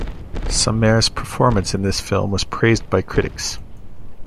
Samaire's performance in this film was praised by critics.